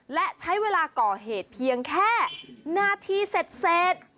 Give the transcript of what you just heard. และใช้เวลาก่อเหตุเพียงแค่นาทีเสร็จ